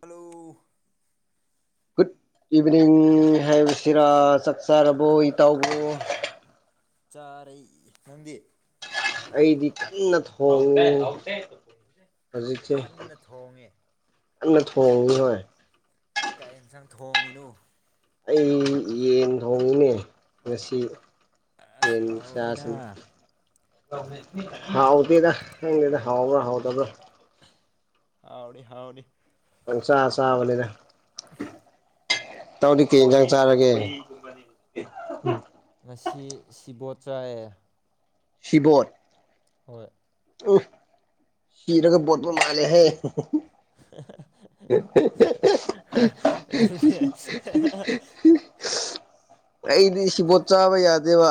hello [unintelligible] evening ꯍꯥꯏꯕꯁꯤꯔꯥ ꯆꯥꯛ ꯆꯥꯥꯔꯕꯣ ꯏꯇꯥꯎꯕꯨ ꯆꯥꯔꯦ ꯅꯪꯗꯤ ꯑꯩꯗꯤ ꯀꯟꯅ ꯊꯣꯡꯉꯤ ꯍꯧꯖꯤꯛꯁꯦ ꯀꯟꯅ ꯊꯣꯡꯉꯤ ꯀꯟꯅ ꯊꯣꯡꯉꯤ ꯍꯣꯢ ꯊꯣꯡꯉꯤꯅꯨ ꯑꯩ ꯌꯦꯟ ꯊꯣꯡꯉꯤꯅꯦ ꯉꯁꯤ ꯑꯁꯥꯎꯅꯤꯅ ꯍꯥꯎꯗꯦꯗ ꯍꯥꯎꯕ꯭ꯔ ꯍꯥꯎꯗꯕ꯭ꯔ ꯍꯥꯎꯅꯤ ꯍꯥꯎꯅꯤ ꯄꯪ ꯆꯥ ꯆꯥꯕꯅꯤꯗ ꯇꯧꯔꯤ ꯀꯦ ꯌꯦꯟꯖꯥꯡ ꯆꯥꯔꯒꯦ ꯑꯁꯤ ꯁꯤꯕꯣꯠ ꯆꯥꯏꯌꯦ ꯁꯤꯕꯣꯔ ꯍꯣꯏ ꯎ ꯁꯤꯔꯒ ꯕꯣꯇꯜ ꯃꯥꯂꯦ ꯍꯥꯏ ꯑꯗꯨꯅ ꯑꯩꯗꯤ ꯁꯤꯕꯣꯠ ꯆꯥꯕ ꯌꯥꯗꯦꯕ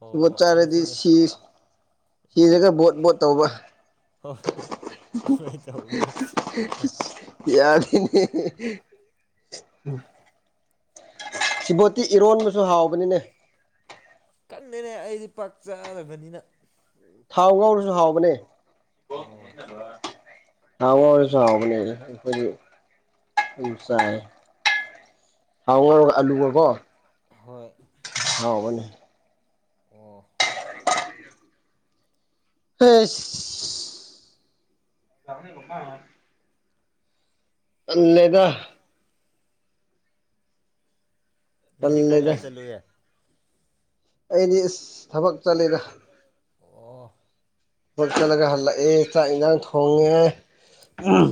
ꯑꯣ ꯁꯤꯕꯣꯠ ꯆꯥꯔꯗꯤ ꯑꯩꯁꯨꯅꯦ ꯁꯤ ꯁꯤꯁꯤꯒ ꯕꯣꯠ ꯕꯣꯠ ꯇꯧꯕ ꯍ ꯇꯧꯕ ꯎ ꯁꯤꯕꯣꯠꯇꯤ ꯏꯔꯣꯟꯕꯁꯨ ꯍꯥꯎꯕꯅꯤꯅꯦ ꯅꯦ ꯑꯩꯗꯤ ꯄꯥꯛ ꯆꯥꯗꯕꯅꯤꯅ ꯊꯥꯎ ꯉꯥꯎꯔꯁꯨ ꯍꯥꯎꯕꯅꯦ ꯑꯣ ꯊꯕ ꯑꯣꯏꯁꯨꯕꯅꯦ ꯑꯩꯈ ꯎ ꯆꯥꯏ ꯍꯥꯎ ꯑꯜꯂꯨꯕꯣ ꯍꯣꯏ ꯍꯥꯎꯕꯅꯤ ꯑꯣ ꯍ ꯑꯂꯦꯒ ꯉꯁꯤ ꯀꯥꯏ ꯇꯜꯂꯦꯗ ꯀꯥꯏ ꯆꯠꯂꯨꯌꯦꯦ ꯑꯩꯗꯤ ꯊꯕꯛ ꯆꯠꯂꯤꯔ ꯑꯣ ꯆꯠꯂꯒ ꯍꯜꯂꯛꯑ ꯇ ꯏ ꯊꯣꯡꯉꯦ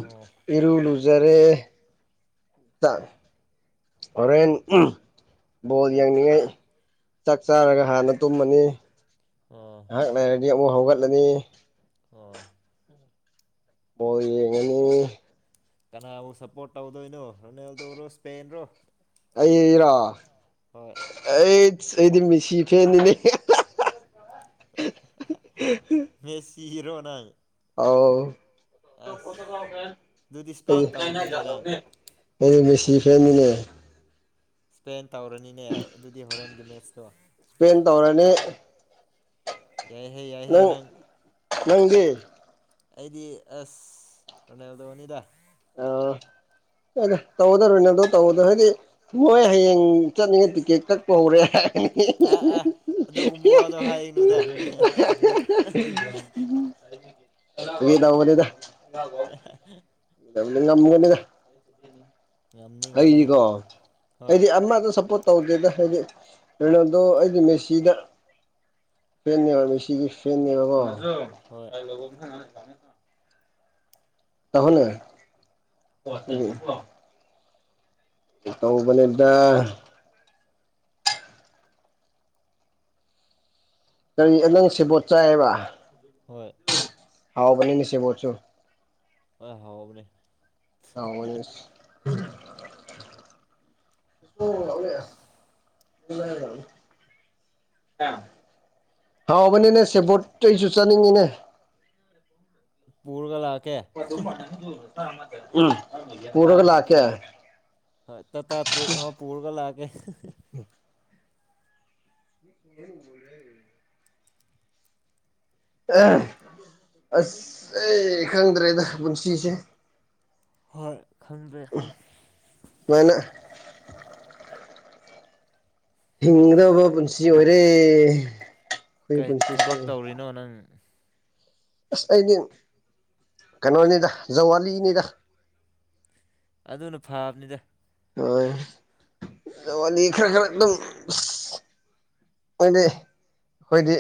ꯑꯣ ꯏꯔꯨ ꯂꯨ ꯔꯦ ꯍꯣꯔꯦꯟ ꯕꯣꯜ ꯌꯦꯡꯏꯉꯩ ꯆꯥꯛ ꯆꯥꯔꯒ ꯍꯥꯟꯅ ꯇꯨꯝꯃꯅꯤ ꯑꯣ ꯉꯥꯏꯍꯥꯛ ꯂꯩꯔꯗꯤ ꯑꯃꯨꯛ ꯍꯧꯒꯠꯂꯅꯤ ꯑꯥ ꯍꯣꯏ ꯌꯦꯉꯅꯤ ꯀꯅꯥꯕꯨ ꯁꯄꯣꯔꯠ ꯇꯧꯗꯣꯏꯅꯣ ꯔꯣꯅꯦꯜꯗꯣꯔꯣ ꯁꯄꯦꯟ ꯔꯣ ꯑꯩ ꯏꯔꯥ ꯑꯩ ꯑꯩꯗꯤ ꯃꯤꯁꯤ ꯐꯦꯟꯅꯤꯅꯦ [inaudible] ꯁꯤ ꯍꯤꯔꯣꯅꯥꯏ ꯑꯥꯎ ꯑꯗꯨꯗꯤ ꯏꯁꯄꯦꯟ ꯇꯧꯅꯤꯅꯦ ꯅꯪ ꯑꯩ ꯁꯤ ꯐꯦꯃꯤꯅꯦ ꯏꯁꯄꯦꯟ ꯇꯧꯔꯅꯤꯅꯦ ꯑꯗꯨꯗꯤ ꯍꯣꯔꯦꯟꯒꯤ ꯃꯦꯠꯁꯇꯣ ꯏꯁꯄꯦꯟ ꯇꯧꯔꯅꯤ ꯌꯥꯏꯍꯦ ꯌꯥꯏꯍꯦ ꯅꯪ ꯅꯪꯒꯤ ꯑꯩꯗꯤ ꯑꯁ ꯔꯣꯅꯥꯜꯗꯣꯅꯤꯗ ꯑ ꯑꯗꯨꯗ ꯇꯧꯒꯗꯧꯔꯣꯏꯅꯗꯣ ꯇꯧꯗ ꯍꯥꯏꯗꯤ ꯃꯣꯏ ꯍꯌꯦꯡ ꯆꯠꯅꯤꯡꯉꯦ ꯇꯤꯛꯀꯦꯠ ꯀꯛꯄ ꯍꯧꯔꯦ ꯑꯥ ꯑꯥ [unintelligible] ꯑꯗꯨꯒꯨꯝꯕ ꯋꯥꯗꯣ ꯍꯥꯏꯅꯨꯗ ꯌꯦꯗꯅꯦꯗ [inaudible] ꯉꯃ ꯉꯝꯅꯤ ꯉꯝꯅꯤ ꯑꯩꯅꯤꯀꯣ ꯍꯣꯏ ꯍꯥꯏꯗꯤ ꯑꯃꯗ ꯁꯞꯄꯣꯔꯠ ꯇꯧꯗꯦꯗ ꯍꯥꯏꯗꯤ ꯀꯩꯅꯣꯗꯣ ꯑꯩꯗꯤ ꯃꯦꯁꯤꯗ ꯐꯕ ꯃꯦꯁꯤꯒꯤ ꯐꯦꯟꯅꯦꯕꯀꯣ ꯍꯣꯏ ꯀꯥꯏ ꯂ ꯇꯍꯅ ꯇꯧꯕꯗ ꯀꯔꯤ ꯅꯪ ꯁꯦꯕꯣꯠ ꯆꯥꯏꯕ ꯍꯣꯏ ꯍꯥꯎꯕꯅꯤꯅꯤ ꯁꯤꯕꯣ ꯆꯨ ꯑ ꯍꯥꯎꯕꯅꯦ ꯑꯅꯦꯁ [inaudible] [unintelligible] ꯍꯥꯎꯕꯅꯤꯅꯦ ꯁꯦꯕꯣꯔꯠꯇ ꯑꯩꯁꯨ ꯆꯥꯅꯤꯡꯉꯤꯅꯦ ꯄꯨꯔꯒ ꯂꯥꯛꯒ ꯎꯝ ꯄꯔꯒ ꯂꯥꯛ ꯀ ꯍꯣꯏ ꯇꯇꯥꯥ ꯇꯔꯦꯞ ꯑꯃ ꯄꯨꯔꯒ ꯂꯥꯛꯑꯀꯦ ꯍꯣꯂꯦ ꯑꯁ ꯑꯩ ꯈꯪꯗ꯭ꯔꯦꯗ ꯄꯨꯟꯁꯤꯁꯦ ꯣꯏ ꯈꯪꯗ꯭ꯔꯦ ꯁꯨꯃꯥꯏꯅ ꯍꯗꯕ ꯄꯨꯟꯁꯤ ꯑꯣꯏꯔ ꯀꯩ ꯊꯕꯛ ꯇꯧꯔꯤꯅꯣ ꯅꯪ ꯑꯁ ꯑꯩꯗꯤ ꯀꯩꯅꯣꯅꯤꯗ ꯖꯋꯥꯂꯤꯅꯤꯗ ꯑꯗꯨꯅ ꯐꯕꯅꯤꯗ ꯍꯣꯏ ꯈꯔ ꯈ ꯑꯗꯨꯝ ꯑꯗꯤ ꯑꯩꯈꯣꯏꯗꯤ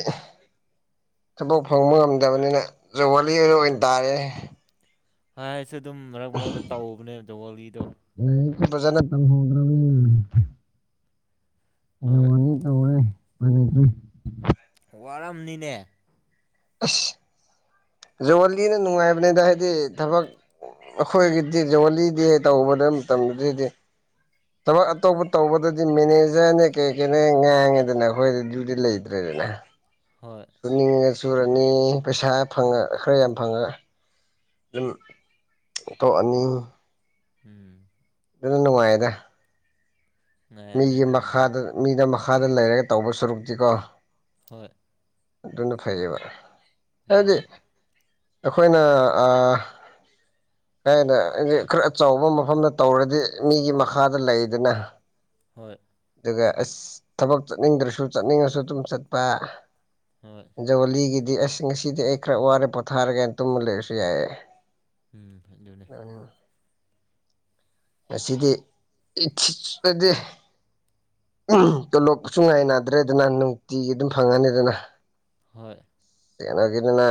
ꯊꯕꯛ ꯐꯪꯕ ꯉꯝꯗꯕꯅꯤꯅ ꯖꯨꯒꯂꯤ ꯑꯗꯨ ꯑꯣꯏꯅ ꯇꯥꯔꯦ ꯍꯥꯏꯁꯨ ꯑꯗꯨꯝ ꯃꯔꯛ ꯃꯔꯛꯇ ꯇꯥꯎꯕꯅꯦ ꯖꯋꯥꯣꯜꯒꯤꯗꯣ ꯐꯣꯡꯗ꯭ꯔ ꯍꯣꯏ ꯌꯥꯋꯥꯅꯤ ꯇꯧ ꯑꯣꯏꯣꯏ ꯃꯅꯤ ꯋꯥꯔꯝꯅꯤꯅꯦ ꯑꯁ ꯖꯨꯂꯤꯅ ꯅꯨꯡꯉꯥꯏꯕꯅꯤꯗ ꯍꯥꯏꯗꯤ ꯊꯕꯛ ꯑꯩꯈꯣꯏꯒꯤꯗꯤ ꯖꯂꯤꯗꯤ ꯇꯧꯕꯗ ꯃꯇꯝꯗꯨꯗꯗꯤ ꯊꯕꯛ ꯑꯇꯣꯞꯄ ꯇꯧꯕꯗꯗꯤ ꯃꯦꯅꯦꯖꯔꯅꯦ ꯀꯩ ꯀꯩꯅꯦ ꯉꯥꯡꯉꯦꯗꯅ ꯑꯩꯈꯣꯏꯗꯤ ꯂꯩꯇ꯭ꯔꯦꯗ [unintelligible] [inaudible] ꯍꯣꯏ ꯆꯨꯔꯅꯤ ꯄꯩꯁꯥ ꯐꯪꯉ ꯈꯔ ꯌꯥꯝ ꯐꯪꯉꯛ ꯑꯗꯨ ꯇꯣ ꯑꯅꯤ ꯎꯝ ꯑꯗꯨꯅꯅꯨꯡ ꯃꯗ ꯉꯥꯏꯔꯝꯅꯦ ꯃꯤꯒꯤ ꯑꯗꯨꯅ ꯍꯣꯏ ꯃꯈꯗ ꯃꯤꯅ ꯃꯈꯥꯗ ꯂꯩꯔꯒ ꯇꯧꯕ ꯁꯔꯨꯛꯇꯤꯀꯣ ꯍꯣꯏ ꯑꯗꯨꯅ ꯐꯥꯏꯌꯦꯕ ꯍꯗꯤ [inaudible] ꯎꯝ [unintelligible] ꯑꯩꯈꯣꯏꯅ ꯀꯅ ꯈꯔ ꯑꯆꯧꯕ ꯃꯐꯝꯗ ꯇꯧꯔꯗꯤ ꯃꯤꯒꯤ ꯃꯈꯥꯗ ꯂꯩꯗꯅ ꯍꯣꯏ ꯑꯗꯨꯒ ꯑꯁ ꯊꯕꯛ ꯆꯠꯅꯤꯡꯗ꯭ꯔꯁꯨ ꯆꯠꯅꯤꯡꯉꯁꯨ ꯑꯗꯨꯝ ꯆꯠꯄ ꯍꯣꯏ ꯍꯟꯖꯧꯂꯤꯒꯤ ꯑꯗꯨꯗꯤ ꯑꯁ ꯉꯁꯤꯗꯤ ꯑꯩ ꯈꯔ ꯋꯥꯔꯦ ꯄꯣꯊꯥꯔꯒꯦꯅ ꯇꯨꯝꯃ ꯂꯩꯔꯁꯨ ꯌꯥꯏꯌꯦꯦ ꯎꯝ ꯍꯥꯏꯖꯣꯂꯦ ꯉꯁꯤꯗꯤ ꯇꯣꯂꯣꯞ ꯁꯨꯡ ꯉꯥꯏꯅꯅꯥꯗ꯭ꯔꯦꯗꯅ ꯅꯨꯡꯇꯤꯒꯤ ꯑꯗꯨꯝ ꯐꯪꯉꯅꯤꯗꯅ ꯍꯣꯏ ꯀ ꯏꯅꯅ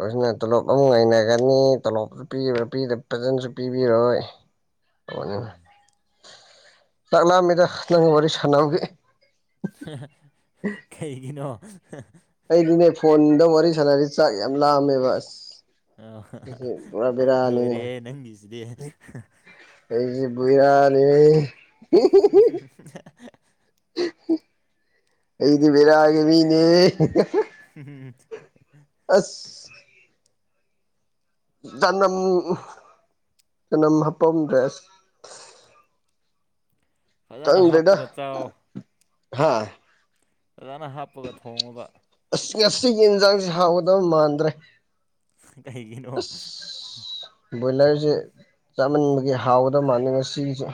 ꯑꯗꯨꯅ ꯇꯣꯂꯣꯞ ꯑꯃꯨꯛ ꯍꯩꯅꯒꯅꯤ ꯇꯣꯂꯣꯞ ꯄꯤ ꯄ ꯐꯖꯅꯁꯨ ꯄꯤꯕꯤꯔꯣꯏ ꯎꯝ ꯂꯥꯛꯅꯃꯦꯗ ꯅꯉ ꯃꯔꯦ ꯁꯥꯟꯅꯕꯒꯦ ꯀꯩꯒꯤꯅꯣ ꯑꯩꯗꯤꯅꯦ ꯐꯣꯟꯗ ꯋꯥꯔꯤ ꯁꯥꯟꯅꯔꯤꯁ ꯆꯥꯛ ꯌꯥꯝ ꯂꯥꯑꯝꯃꯦꯕ ꯑꯁ ꯑ ꯑꯁꯤ ꯄꯨꯔꯥ ꯕꯦꯔꯥꯅꯤꯅꯦ ꯂꯣꯏꯔꯦ ꯅꯪꯒꯤꯁꯤꯗꯤ ꯑꯩꯁꯤ ꯔꯥꯅꯤ ꯎ ꯑꯩꯗꯤꯕꯔꯑꯒꯦ ꯃꯤꯅꯦ ꯎꯝ ꯑꯁ ꯅꯝ ꯀꯅꯝ ꯍꯥꯄꯝꯗꯦꯁ ꯐꯖꯅ ꯍꯥꯞꯄꯒ ꯆꯑꯣ ꯍꯥꯥ ꯐꯖꯥꯅ ꯍꯥꯞꯄꯒ ꯊꯣꯉꯕ ꯉꯁꯤꯒꯤ ꯌꯦꯟꯁꯥꯡꯁꯤꯦ ꯍꯥꯎꯒꯗꯕ ꯃꯥꯟꯗ꯭ꯔꯦ ꯀꯩꯒꯤꯅꯣ ꯑꯁ ꯕꯣꯏꯂꯔꯁꯦ ꯆꯥꯃꯟꯕꯒꯤ ꯍꯥꯎꯒꯗꯕ ꯃꯥꯥꯟꯜꯂꯤꯦ ꯉꯁꯤꯒꯤꯁꯦ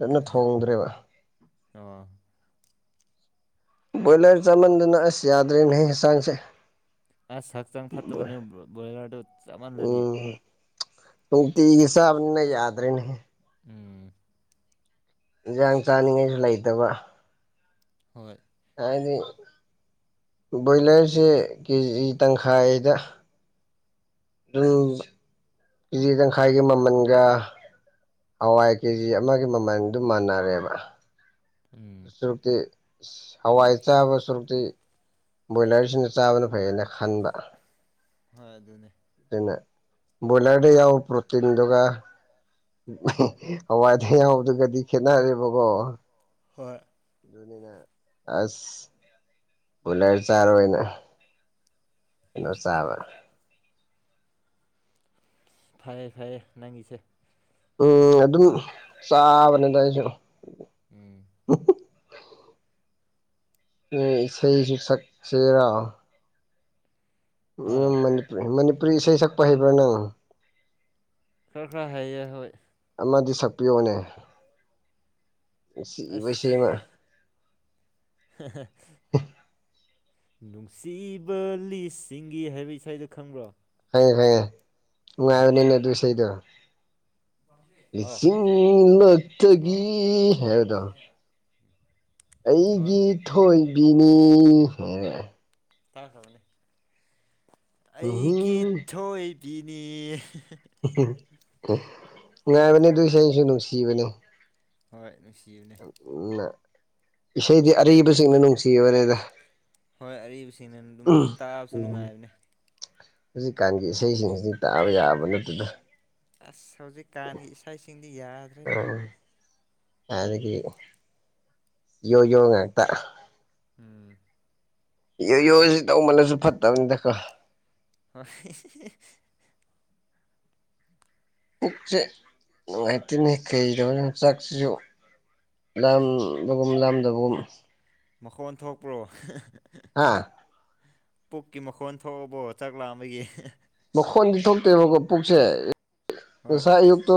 ꯑꯗꯨꯟꯅ ꯊꯣꯡꯗ꯭ꯔꯦꯕ ꯑ ꯕꯣꯏꯂꯔ ꯆꯃꯟꯗꯨꯅ ꯑꯁ ꯌꯥꯗ꯭ꯔꯦꯅꯦꯁꯥꯡꯁꯦ ꯑꯁ ꯍꯛꯆꯥꯡ ꯐꯠꯇꯕꯅꯦ ꯕ꯭ꯔꯣꯏꯂꯔꯗꯨ ꯆꯞꯃꯜꯂꯗꯤ ꯇꯨꯡ ꯇꯒꯤ ꯁꯥꯕꯅꯤꯅ ꯌꯥꯗꯔꯦꯅꯦ ꯎꯝ ꯥꯡ ꯆꯥꯅꯤꯡꯉꯥꯏꯁꯨ ꯂꯩꯇꯕ ꯍꯣꯏ ꯍꯥꯏꯗꯤ ꯕꯣꯏꯂꯔꯁꯦ ꯀꯦꯖꯤ ꯇꯪꯈꯥꯏꯗ ꯎꯝ ꯆ ꯇꯪꯈꯥꯏꯒꯤ ꯃꯃꯟꯒ ꯍꯋꯥꯏ ꯀꯦꯖꯤ ꯑꯃꯒꯤ ꯃꯃꯜꯗꯨ ꯃꯥꯟꯅꯔꯦꯕ ꯑꯗꯨ ꯎꯝ ꯁꯨꯔꯨꯛꯇꯤ ꯍꯋꯥꯏ ꯆꯕ ꯁꯔꯇ ꯕꯣꯏꯂꯔꯁꯤꯅ ꯆꯥꯕꯅ ꯐꯩꯌꯦꯅ ꯈꯟꯕ ꯍ ꯑꯗꯨꯅꯦ ꯣꯂꯗꯤ ꯌꯥꯎ ꯄ꯭ꯔꯇꯤꯟꯗ ꯎ ꯍꯋꯥꯏꯗ ꯌꯥꯗꯨꯒꯗꯤ ꯈꯦꯠꯅꯔꯦꯕꯀꯣ ꯍꯣꯏ ꯅꯤ ꯑꯁ ꯎꯂꯔ ꯆꯥꯔꯅ ꯣꯁꯥꯕ ꯐꯩꯌꯦ ꯐꯩꯌꯦ ꯅꯪꯁꯦ ꯎꯝ ꯑꯗꯨꯝ ꯆꯥꯕꯅꯤ ꯑꯗꯨꯏꯁꯨ ꯎꯝ ꯁꯩ ꯁꯁꯛ ꯆꯦꯔ ꯍꯥ ꯎꯝ ꯃꯅꯤꯄꯨꯔꯤ ꯏꯁꯩ ꯁꯛꯄ ꯍꯩꯕ꯭ꯔꯥ ꯅꯪ ꯈꯔ ꯈꯔ ꯍꯦꯑꯌꯦ ꯍꯣꯏ ꯑꯃꯗꯤ ꯁꯛꯄꯤꯌꯣꯅꯦ ꯑꯁ ꯁꯤꯕꯁꯦꯃ [unintelligible] ꯅꯨꯡꯁꯤꯕ ꯂꯤꯁꯁꯤꯡꯒꯤ ꯍꯥꯏꯕ ꯏꯁꯥꯗ ꯈꯪꯕ꯭ꯔꯣ ꯐꯪꯉꯦ ꯐꯉꯦ ꯎꯅꯤꯅ ꯑꯗꯨꯁꯩꯗꯣ ꯍꯣ ꯑꯥ ꯁꯤꯡꯅꯠꯇꯒꯤ ꯍꯥꯏꯗ ꯑꯩꯒꯤ ꯍꯣꯏ ꯒꯤ ꯍꯣꯏ ꯊꯣꯏꯕꯤꯅꯤ ꯕꯅꯦ ꯎꯝ ꯑꯩꯒꯤ ꯊꯣꯏꯕꯤꯅꯤ ꯉ ꯃꯅꯤ ꯗꯨꯏꯁꯁꯨ ꯅꯅꯨꯡꯁꯤꯕꯅꯦ ꯍꯣꯏ ꯅꯨꯡꯁꯤꯕꯅꯦ ꯏꯁꯩꯗꯤ ꯑꯔꯤꯕꯁꯤꯡꯅ ꯅꯨꯡꯁꯤ ꯋꯥꯔꯦꯗ ꯍꯣꯏ ꯑꯔꯤꯕꯁꯤꯡꯅ ꯑꯗꯨꯝ ꯇꯥꯕꯁꯨ ꯅꯨꯡꯉꯥꯏꯕꯅꯦ ꯍꯧꯖꯤꯛꯀꯥꯟꯒꯤ ꯏꯁꯩꯁꯤꯡ ꯍꯧꯖꯤꯛ ꯇꯥꯛꯑꯕ ꯌꯥꯑꯕ ꯅꯠꯇꯗ ꯑꯁ ꯍꯧꯖꯤꯛ ꯀꯥꯟꯒꯤ ꯏꯁꯥꯁꯤꯡꯗꯤ ꯌꯥꯗ꯭ꯔꯦꯗ ꯑꯗꯒꯤ ꯌꯣ ꯌꯣ ꯉꯛꯇ ꯎꯝ ꯌꯣꯁꯤ ꯇꯧꯕꯃꯅꯁꯨ ꯐꯠꯇꯕꯅꯤꯗꯀꯣ ꯍ ꯄꯨꯛ ꯆꯦ ꯅꯨꯡꯉꯥꯏꯇꯅꯤ ꯀꯩꯗꯣ ꯌ ꯆꯥꯛꯁꯤꯁꯨ ꯂꯝꯗ ꯂꯝꯗꯕꯨ ꯃꯈꯣꯟ ꯊꯣꯛꯄ꯭ꯔꯣ ꯍꯥ ꯄꯨꯛꯀꯤ ꯃꯈꯣꯟ ꯊꯣꯛꯑꯕꯣ ꯆꯥꯛꯂꯛ ꯑꯃꯒꯤ ꯍꯣꯟꯗꯤ ꯊꯣꯛꯇꯦꯕꯀꯣ ꯄꯨꯛꯁꯦ ꯍꯣꯏ ꯉꯁꯥꯏ ꯑꯌꯨꯛꯇꯣ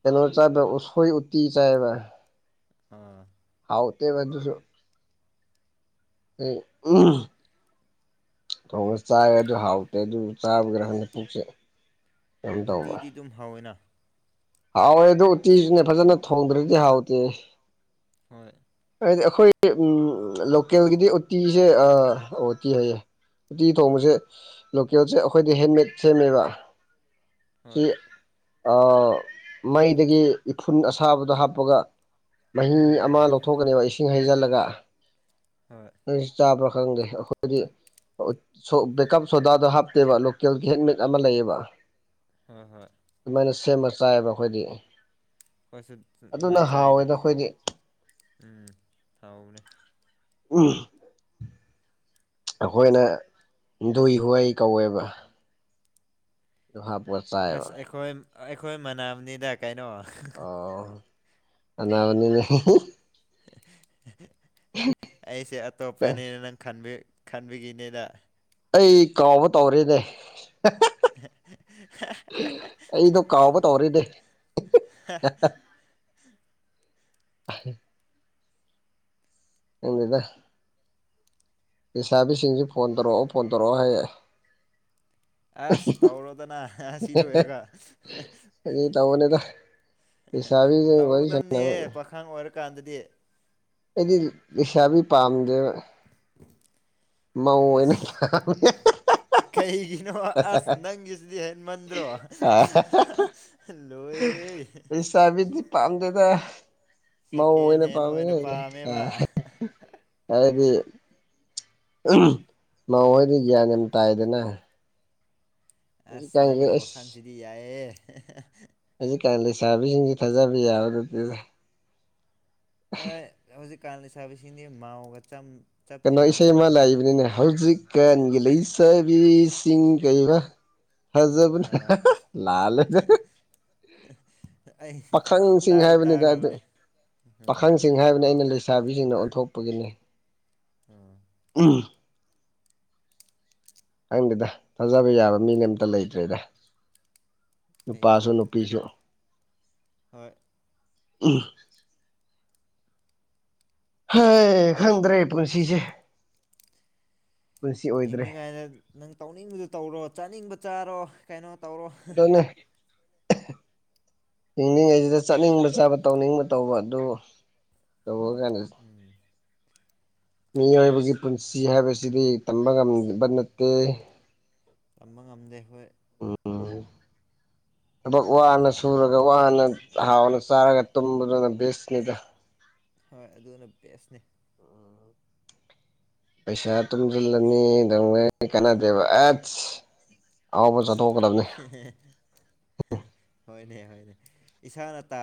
ꯀꯩꯅꯣ ꯆꯥꯏꯕ ꯎꯁꯣꯏ ꯎꯇꯤ ꯆꯥꯏꯕ ꯑꯝ ꯍꯥꯎ ꯃ ꯑꯗꯨꯁꯨ ꯑ ꯊ ꯆꯥ ꯑꯗꯨ ꯍꯥꯎꯇ ꯑꯗꯨ ꯆꯥꯕꯒ꯭ꯔꯍ ꯄꯁꯦ ꯎꯇꯤꯗꯤ ꯑꯗꯨꯝ ꯍꯧꯋꯦꯅ ꯍꯥꯎꯋꯦ ꯑꯗꯨ ꯎꯇꯤꯁꯨꯅꯦ ꯐꯖꯅ ꯊꯣꯡꯗ꯭ꯔꯗꯤ ꯍꯥꯎꯇꯦ ꯍꯣꯏ ꯍꯥꯏꯗꯤ ꯑꯩꯈꯣꯏ ꯎ ꯂꯣꯀꯦꯜꯒꯤꯗꯤ ꯎꯇꯤꯁꯦ ꯎꯇꯤ ꯍꯥꯏꯌꯦ ꯎꯇꯤ ꯊꯣꯡꯕꯁꯦ ꯂꯣꯀꯦꯜꯁꯦ ꯑꯩꯈꯣꯏꯗꯤ ꯍꯦꯟꯃꯦꯗ ꯁꯦꯝꯃꯦꯕ ꯁꯤ ꯍꯣꯏ ꯃꯩꯗꯒꯤ ꯏꯐꯨꯟ ꯑꯁꯥꯕꯗꯣ ꯍꯥꯞꯄꯒ ꯃꯍꯤ ꯎꯝ ꯑꯃ ꯂꯧꯊꯣꯛꯀꯅꯦꯕ ꯏꯁꯤꯡ ꯍꯣꯏ ꯍꯩꯖꯤꯜꯂꯒꯥꯕ꯭ꯔꯥ ꯈꯪꯗꯦ ꯑꯩꯈꯣꯏꯗꯤ ꯕꯦꯀꯞ ꯁꯣꯗꯥꯗꯣ ꯍꯥꯞꯇꯦꯕ ꯂꯣꯀꯦꯜꯒꯤ ꯍꯦꯟꯠꯃꯦꯠ ꯑꯃ ꯂꯩꯌꯦꯕ ꯍꯥ ꯍꯥꯣꯏ ꯁꯦꯝꯕ ꯆꯥꯏꯌꯦꯕ ꯑꯩꯈꯣꯏꯗꯤ ꯑꯩꯈꯣꯏꯁꯨ ꯑꯗꯨꯅ ꯑꯗꯨꯃꯥꯏꯅ ꯆꯥꯏꯗ ꯍꯥꯎꯋꯦꯗ ꯑꯩꯈꯣꯏꯗꯤ ꯎꯝ ꯊꯥꯎꯅꯦ ꯎꯝ ꯑꯩꯈꯣꯏꯅ ꯍꯤꯟꯗꯨꯏ ꯍꯨꯍꯏ ꯀꯧꯋꯦꯕ ꯍꯥꯥ ꯑꯁ ꯑꯩꯈꯣꯏ ꯑꯩꯈꯣꯏ ꯃꯅꯥꯅꯤꯗ ꯀꯩꯅꯣ ꯑꯣ ꯑꯅꯥꯕꯅꯤ ꯑꯩꯁꯦ ꯑꯇꯣꯞꯄꯅꯤꯅ ꯅꯪ ꯈꯟꯕꯤ ꯈꯟꯕꯤꯒꯤꯅꯤꯅ ꯑꯩ ꯀꯥꯎꯕ ꯇꯧꯔꯦꯅꯦ ꯑꯩꯗꯣ ꯀꯥꯎꯕ ꯇꯧꯔꯤꯗꯤ ꯑ [inaudible] ꯈꯪꯌꯦꯗ ꯂꯩꯁꯥꯕꯤꯁꯤꯡꯁꯤ ꯐꯣꯟ ꯇꯧꯔꯛꯑꯣ ꯐꯣꯟ ꯇꯧꯔꯛꯑꯣ ꯍꯥꯏꯔꯛꯦ ꯑꯁ ꯇꯥꯎꯔꯣꯗꯅ ꯁꯤꯂ ꯑꯦꯔꯀꯥ ꯇ ꯃꯅꯦꯗ ꯍꯁꯥꯕꯤ ꯑꯣꯏ ꯁ ꯀꯥꯟꯗꯗꯤ ꯑꯩꯗꯤ ꯔꯤꯁꯥꯕꯤ ꯄꯝꯒ ꯃꯧꯑꯣꯏꯅ ꯑꯁ ꯄꯝꯃꯦ ꯀꯩꯒꯤꯅꯣ ꯑꯁ ꯅꯪꯒꯤꯁꯤꯗꯤ ꯍꯦꯟ ꯃꯟꯗ꯭ꯔꯣ ꯂꯣꯏꯔꯦ ꯍ [unintelligible] ꯂꯥꯟꯗꯗ ꯁꯦꯀꯦꯟ ꯍꯦꯟ ꯑꯣꯏꯅ ꯄꯥꯝꯃꯦꯕ ꯃꯈꯣꯏꯗꯤ ꯒ꯭ꯌꯥꯟ ꯌꯥꯝ ꯇꯥꯏꯗꯅ ꯑꯁ ꯍꯧꯖꯤꯛꯀꯥꯟꯁꯦ ꯅꯪꯒꯤ ꯋꯥꯈꯥꯟꯁꯤꯗꯤ ꯌꯥꯑꯦ ꯍꯧꯖꯤꯛ ꯀꯥꯟ ꯂꯩꯁꯥꯕꯤꯁꯤꯡꯁꯤ ꯊꯥꯖꯕ ꯌꯥꯕ ꯅꯠꯇꯦ ꯍꯣꯏ ꯍꯧꯖꯤꯛꯀꯥꯟꯅ ꯁꯥꯕꯁꯤꯅꯤ ꯃꯥꯎꯒ ꯆꯞꯇꯤ ꯀꯩꯅꯣ ꯏꯁꯩ ꯑꯃ ꯃꯥꯟꯅꯔꯕꯅꯤꯗ ꯂꯥꯛꯏꯕꯅꯤꯅꯦ ꯍꯧꯖꯤꯛ ꯀꯟꯒꯤ ꯂꯩꯁꯕꯤꯁꯤꯡ ꯀꯩꯕ ꯍꯖꯕꯅꯦ ꯑ, ꯑꯁ ꯂꯥꯜꯅꯦ [unintelligible] ꯄꯥꯈꯪꯁꯤꯡ ꯇꯥꯗꯤ ꯍꯥꯏꯕꯅꯤꯗ ꯑꯗꯨ ꯇꯥꯈ꯭ꯔꯕꯅꯦ ꯎꯝ ꯄꯥꯈꯪꯁꯤꯡ ꯍꯥꯏꯕꯅꯤ ꯑꯩꯅ ꯂꯩꯁꯤ ꯂꯩꯥꯕꯤꯁꯤꯡꯅ ꯑꯣꯟꯊꯣꯛꯄꯒꯤꯅꯤ ꯎꯝ [unintelligible] ꯎ [unintelligible] [inaudible] ꯈꯪꯗꯦꯗ ꯊꯥꯖꯕ ꯌꯥꯕ ꯃꯤꯅꯦ ꯑꯝꯇ ꯂꯩꯇ꯭ꯔꯦꯗ ꯅꯨꯄꯥꯁꯨ ꯂꯩꯇ꯭ꯔꯦ ꯅꯨꯄꯤꯁꯨ ꯍꯣꯏ ꯍ ꯈꯪꯗ꯭ꯔꯦ ꯄꯨꯟꯁꯤꯁꯦ ꯄꯨꯟꯁꯤ ꯑꯣꯏꯗ꯭ꯔꯦ ꯍꯤꯡꯂꯤꯉꯥꯏꯗ ꯅꯪ ꯇꯧꯅꯤꯡꯕꯗꯨ ꯇꯧꯔꯣ ꯆꯥꯅꯤꯡꯕ ꯆꯥꯔꯣ ꯀꯩꯅꯣ ꯇꯧꯔꯣ ꯍꯤꯡꯅꯤꯡꯉꯩꯁꯤꯗ ꯆꯠꯅꯤꯡꯕ ꯆꯥꯕ ꯇꯧꯅꯤꯡꯕ ꯇꯧꯕ ꯑꯗꯨ ꯕꯨ ꯀꯅꯦ ꯎꯝ ꯃꯤꯑꯣꯏꯕꯒꯤ ꯄꯨꯟꯁꯤ ꯍꯥꯏꯕꯁꯤꯗꯤ ꯇꯝꯕ ꯉꯝꯕ ꯅꯠꯇꯦ ꯇꯝꯕ ꯉꯝꯗꯦ ꯍꯈꯣꯏ ꯑꯣ [inaudible] ꯊꯕꯛ ꯋꯥꯅ ꯁꯨꯔꯒ ꯋꯥꯅ ꯍꯥꯎꯅ ꯆꯥꯔꯒ ꯇꯨꯝꯕꯗꯨꯅ ꯕꯦꯁꯅꯤꯗ ꯍꯣꯏ ꯑꯗꯨꯅ ꯕꯦꯁꯅꯦ ꯄꯩꯁꯥ ꯇꯨꯝꯖꯜꯂꯅꯤ ꯀꯅꯥꯗꯦꯕ ꯑꯁ ꯑꯋꯥꯕ ꯍꯣꯏꯅꯦ ꯍꯣꯏꯅꯦ ꯏꯁꯥꯅ ꯇꯥ